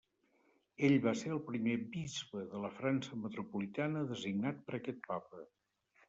Ell va ser el primer bisbe de la França metropolitana designat per aquest Papa.